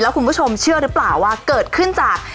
คุณผู้ชมเชื่อหรือเปล่าว่าเกิดขึ้นจาก